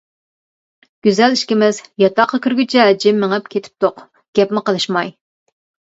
گۈزەل ئىككىمىز ياتاققا كىرگۈچە جىم مېڭىپ كېتىپتۇق، گەپمۇ قىلىشماي.